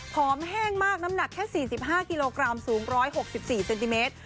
หอมแห้งมากน้ำหนักแค่๔๕กิโลกรัมสูง๑๖๔เซนติเมตร